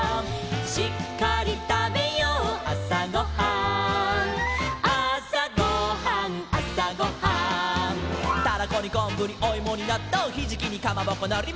「しっかりたべようあさごはん」「あさごはんあさごはん」「タラコにこんぶにおいもになっとう」「ひじきにかまぼこのりまいて」